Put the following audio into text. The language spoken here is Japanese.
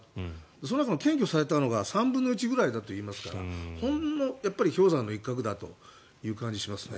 その中の検挙されたのが３分の１くらいだといわれていますからほんの氷山の一角だという感じがしますね。